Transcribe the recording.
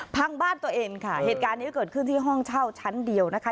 พังบ้านตัวเองค่ะเหตุการณ์นี้เกิดขึ้นที่ห้องเช่าชั้นเดียวนะคะ